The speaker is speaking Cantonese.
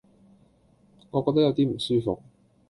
我覺得有啲唔舒服